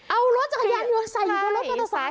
เอารถจักรยานยังใส่อยู่กับรถปลอตเตอร์ไซค์